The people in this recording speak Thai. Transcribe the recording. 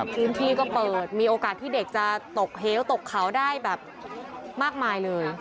พื้นที่ก็เปิดมีโอกาสที่เด็กจะตกเหวตกเขาได้แบบมากมายเลย